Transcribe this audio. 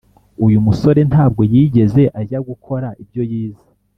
uyu musore ntabwo yigeze ajya gukora ibyo yize